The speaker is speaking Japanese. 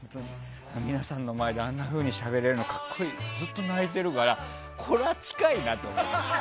皆さんの前であんなふうにしゃべれるの格好いいってずっと泣いてるからこれは近いなと。